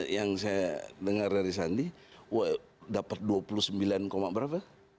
yang saya dengar dari sandi dapat dua puluh sembilan berapa